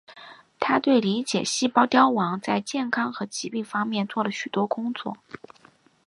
他对理解细胞凋亡在健康和疾病方面做了许多工作。